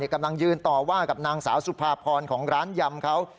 กำลังยืนต่อว่ากับนางสาวสุภาพรของร้านยำเขา